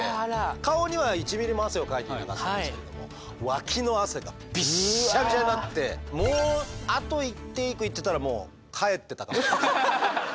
顔には１ミリも汗をかいていなかったんですけれどもワキの汗がビッシャビシャになってもうあと１テイクいってたら帰ってたと思います。